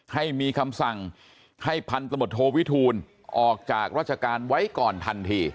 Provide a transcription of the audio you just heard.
ให้มีคำสั่งให้พันธมตโทวิทูลออกจากราชการไว้ก่อนทันที